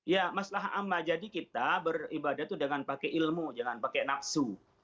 ya mas lahamma jadi kita beribadah itu dengan pakai ilmu jangan pakai naqsu